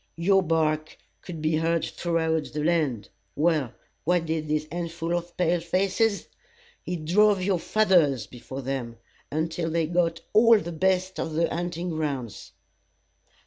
Your bark could be heard throughout the land. Well, what did this handful of pale faces? It drove your fathers before them, until they got all the best of the hunting grounds.